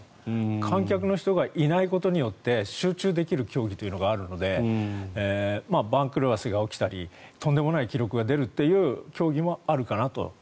観客の人がいないことによって集中できる競技というのがあるので番狂わせが起きたりとんでもない記録が出るという競技もあるかなとは。